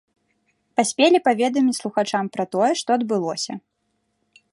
Паспелі паведаміць слухачам пра тое, што адбылося.